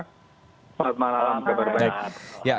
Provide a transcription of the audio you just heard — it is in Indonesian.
selamat malam pak bapak